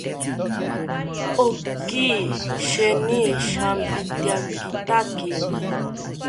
Oki sheeni shampityakitaki